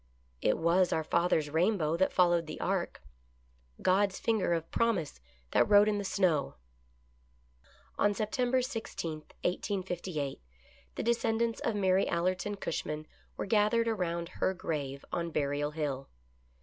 It was our father's rainbow that followed the ark — God's finger of promise that wrote in the snow. On September i6, 1858, the descendants of Mary Allerton Cushman were gathered around her grave on Burial Hill.